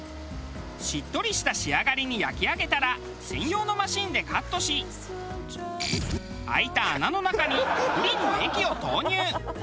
しっとりした仕上がりに焼き上げたら専用のマシンでカットし開いた穴の中にプリンの液を投入。